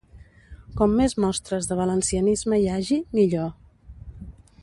Com més mostres de valencianisme hi hagi, millor.